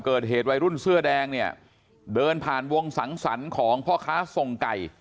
เกิดเหตุวัยรุ่นเสื้อแดงเนี่ยเดินผ่านวงสังสรรค์ของพ่อค้าส่งไก่